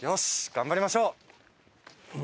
頑張りましょう。